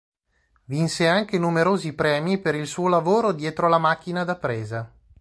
Vinse anche numerosi premi per il suo lavoro dietro la macchina da presa.